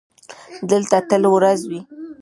دلته تل ورځ وي.